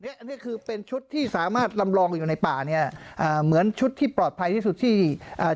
อันนี้คือเป็นชุดที่สามารถลำลองอยู่ในป่าเนี้ยอ่าเหมือนชุดที่ปลอดภัยที่สุดที่อ่า